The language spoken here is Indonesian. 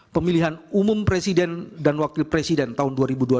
pemilihan umum presiden dan wakil presiden tahun dua ribu dua puluh